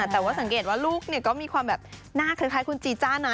แต่ว่าสังเกตว่าลูกก็มีความแบบหน้าคล้ายคุณจีจ้านะ